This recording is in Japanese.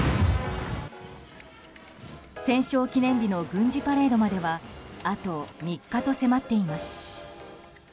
戦勝記念日の軍事パレードまではあと３日と迫っています。